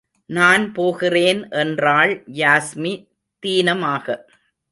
நான் போகிறேன் என்றாள் யாஸ்மி தீனமாக.